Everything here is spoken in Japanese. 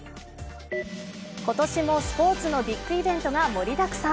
今年もスポーツのビッグイベントが盛りだくさん。